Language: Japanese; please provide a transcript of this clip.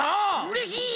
うれしい！